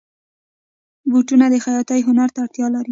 بوټونه د خیاطۍ هنر ته اړتیا لري.